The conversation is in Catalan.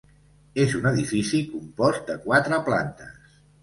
És un edifici compost de quatre plantes.